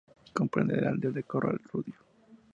Comprende la aldea de Corral Rubio.